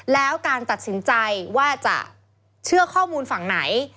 แล้วการตัดสินใจว่าจะเชื่อข้อมูลฝั่งไหน